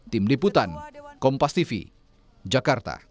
tim liputan kompas tv jakarta